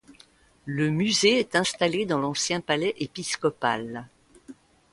Le musée est installé dans l'ancien palais épiscopal.